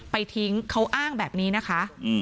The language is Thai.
ไปทิ้งเขาอ้างแบบนี้นะคะ